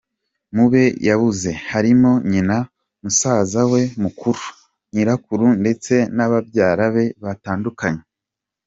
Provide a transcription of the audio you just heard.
Mu be yabuze, harimo nyina, musaza we mukuru, nyirakuru ndetse na babyara be batandukanye.